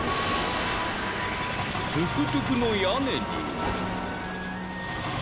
トゥクトゥクのやねに。